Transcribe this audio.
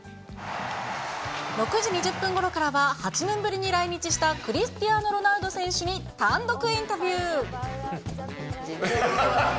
６時２０分ごろからは、８年ぶりに来日したクリスティアーノ・ロナウド選手に単独インタビュー。